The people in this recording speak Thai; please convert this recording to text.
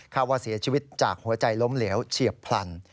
ว่าเสียชีวิตจากหัวใจล้มเหลวเฉียบพลัน